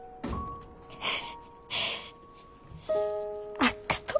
あっがとう